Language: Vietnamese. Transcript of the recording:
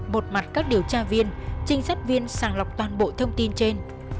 một mặt các điều tra viên trinh sát viên sàng lọc toàn bộ thông tin trên